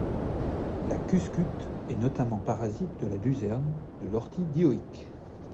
La cuscute est notamment parasite de la luzerne, de l'ortie dioïque.